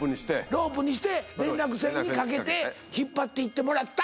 ロープにして連絡船にかけて引っ張っていってもらった。